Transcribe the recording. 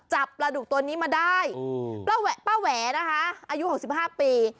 จับปลาดุกตัวนี้มาได้ป้าแหวนะคะอายุ๖๕ปี